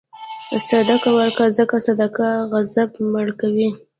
صدقه ورکوه، ځکه صدقه غضب مړه کوي.